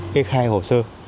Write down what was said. cái khai hồ sơ